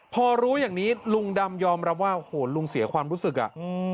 พอรู้อย่างนี้ลุงดำยอมรับว่าโอ้โหลุงเสียความรู้สึกอ่ะ